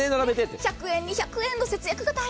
１００円、２００円の節約が大変。